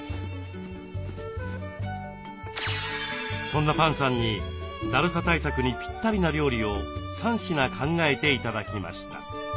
そんなパンさんにだるさ対策にぴったりな料理を３品考えて頂きました。